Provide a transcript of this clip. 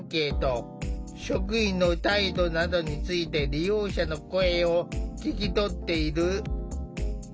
職員の態度などについて利用者の声を聞き取っている。